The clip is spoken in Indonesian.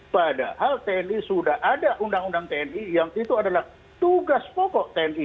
padahal tni sudah ada undang undang tni yang itu adalah tugas pokok tni